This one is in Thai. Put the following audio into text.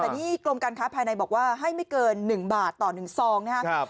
แต่นี่กรมการค้าภายในบอกว่าให้ไม่เกิน๑บาทต่อ๑ซองนะครับ